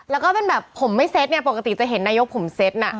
แล้วก็เป็นแบบผมไม่เซ็ตเนี่ยปกติจะเห็นนายกผมเซ็ตน่ะ